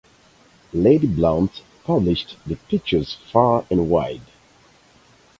Lady Blount published the pictures far and wide.